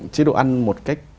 chế độ ăn một cách